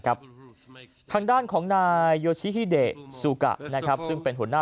ทางด้านของนายโยชิฮิเดซูกะซึ่งเป็นหุ่นหน้า